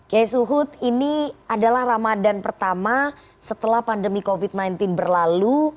kiai suhud ini adalah ramadan pertama setelah pandemi covid sembilan belas berlalu